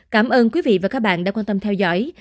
cảm ơn quý vị và các bạn đã quan tâm theo dõi